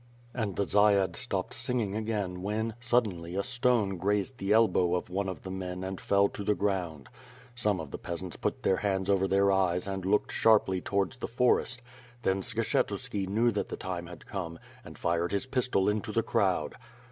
And the dziad stopped singing again when, suddenly a stone grazed the elbow of one of the men and fell to the ground. Some of the peasants put their hands over their eyes and looked sharply towards the forest. Then Skshetuski knew that the time had come, and fired his pistol into the crowd.